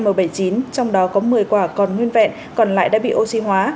m bảy mươi chín trong đó có một mươi quả còn nguyên vẹn còn lại đã bị oxy hóa